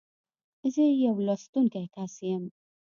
زه يو لوستونکی کس یم.